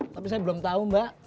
tapi saya belum tahu mbak